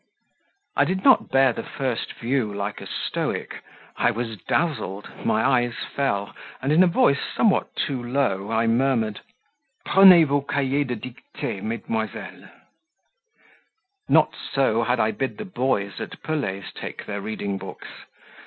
I did not bear the first view like a stoic; I was dazzled, my eyes fell, and in a voice somewhat too low I murmured "Prenez vos cahiers de dictee, mesdemoiselles." Not so had I bid the boys at Pelet's take their reading books.